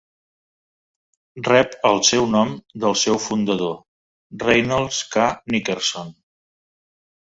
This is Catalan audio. Rep el seu nom del seu fundador, Reynolds K. Nickerson.